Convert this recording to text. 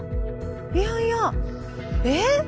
いやいや。えっ？